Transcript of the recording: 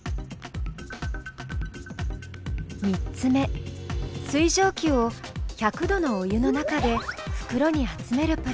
３つ目水蒸気を１００度のお湯の中でふくろに集めるプラン。